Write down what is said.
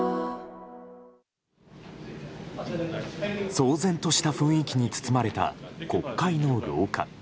騒然とした雰囲気に包まれた国会の廊下。